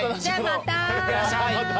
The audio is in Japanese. いってらっしゃい。